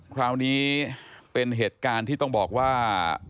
คราวนี้เป็นเหตุการณ์ที่ต้องบอกว่า